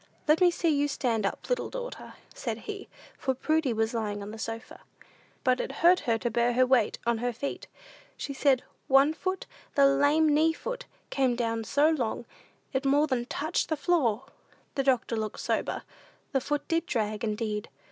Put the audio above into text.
"Just let me see you stand up, little daughter," said he; for Prudy was lying on the sofa. But it hurt her to bear her weight on her feet. She said, "One foot, the 'lame knee foot,' came down so long, it more than touched the floor." The doctor looked sober. The foot did drag indeed.